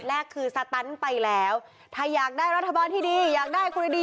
แรกคือสตันไปแล้วถ้าอยากได้รัฐบาลที่ดีอยากได้คุยดี